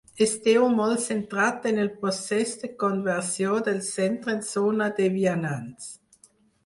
Esteu molt centrat en el procés de conversió del centre en zona de vianants.